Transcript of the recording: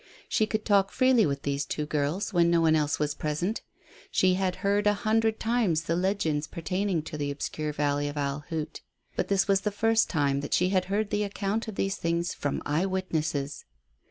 She could talk freely with these two girls when no one else was present. She had heard a hundred times the legends pertaining to the obscure valley of Owl Hoot, but this was the first time that she had heard the account of these things from eye witnesses.